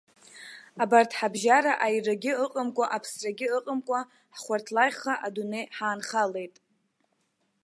Абарҭ ҳабжьара аирагьы ыҟамкәа, аԥсрагьы ыҟамкәа, ҳхәарҭлаӷьха адунеи ҳаанхалеит.